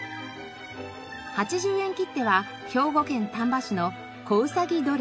８０円切手は兵庫県丹波市の子うさぎ土鈴。